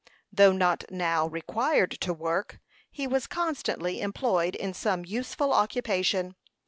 Though not now required to work, he was constantly employed in some useful occupation.